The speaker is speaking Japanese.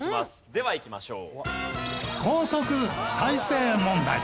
ではいきましょう。